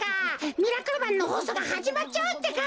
「ミラクルマン」のほうそうがはじまっちゃうってか。